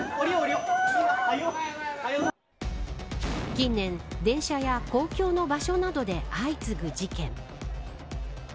近年、電車や公共の場所などで相次ぐ事件。